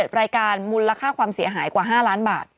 รายการมูลค่าความเสียหายกว่า๕ล้านบาท